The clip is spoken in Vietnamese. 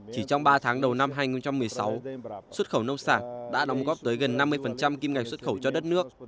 chỉ trong ba tháng đầu năm hai nghìn một mươi sáu xuất khẩu nông sản đã đóng góp tới gần năm mươi kim ngạch xuất khẩu cho đất nước